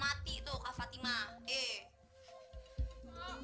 mati tuh fatima eh